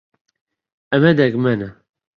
ئەمە دەگمەنە.